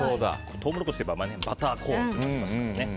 トウモロコシといえばバターコーンですからね。